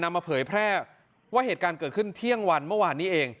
มาเผยแพร่ว่าเหตุการณ์เกิดขึ้นเที่ยงวันเมื่อวานนี้เอง